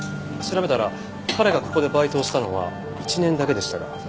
調べたら彼がここでバイトをしたのは１年だけでしたが。